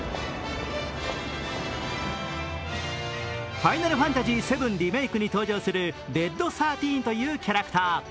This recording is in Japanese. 「ファイナルファンタジーⅦリメイク」に登場するレッドⅩⅢというキャラクター。